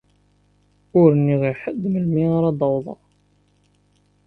Ur nniɣ i ḥedd melmi ara d-awḍeɣ.